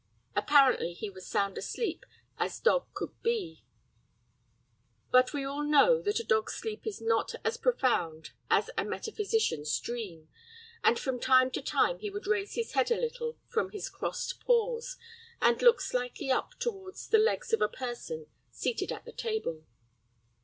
Apparently he was sound asleep as dog could be; but we all know that a dog's sleep is not as profound as a metaphysician's dream, and from time to time he would raise his head a little from his crossed paws, and look slightly up toward the legs of a person seated at the table.